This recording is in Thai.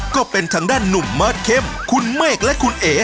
ก็เป็นทางด้านหนุ่มมาสเข้มคุณเมฆและคุณเอ๋